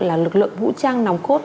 là lực lượng vũ trang nòng cốt